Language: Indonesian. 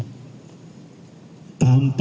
dan berikan juga hukuman yang setimpu